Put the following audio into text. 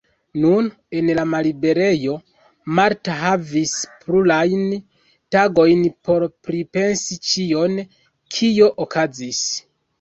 Nun, en la malliberejo, Marta havis plurajn tagojn por pripensi ĉion, kio okazis.